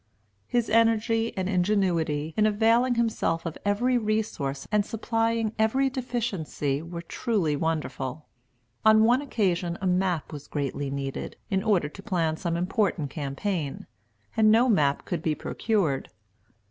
His energy and ingenuity in availing himself of every resource and supplying every deficiency were truly wonderful. On one occasion a map was greatly needed, in order to plan some important campaign, and no map could be procured.